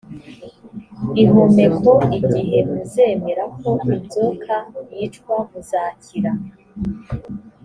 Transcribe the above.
l hommeko igihe muzemera ko inzoka yicwa muzakira